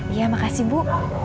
iya makasih bu